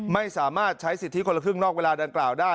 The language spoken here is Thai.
ไม่สามารถใช้สิทธิคนละครึ่งนอกเวลาดังกล่าวได้